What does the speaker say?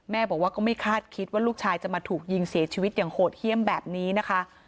บอกว่าก็ไม่คาดคิดว่าลูกชายจะมาถูกยิงเสียชีวิตอย่างโหดเยี่ยมแบบนี้นะคะ